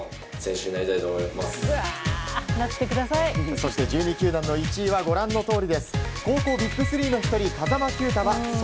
そして１２球団の１位はご覧のとおり。